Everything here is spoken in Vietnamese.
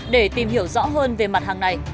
để tìm hiểu rõ hơn về mặt hàng này